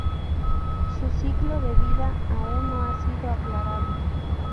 Su ciclo de vida aún no ha sido aclarado.